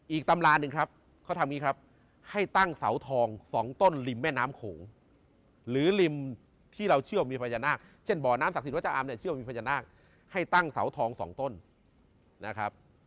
ตำราหนึ่งครับเขาทำอย่างนี้ครับให้ตั้งเสาทอง๒ต้นริมแม่น้ำโขงหรือริมที่เราเชื่อว่ามีพญานาคเช่นบ่อน้ำศักดิ์อามเนี่ยเชื่อว่ามีพญานาคให้ตั้งเสาทองสองต้นนะครับ